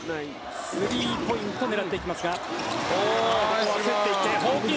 スリーポイントを狙っていきますが。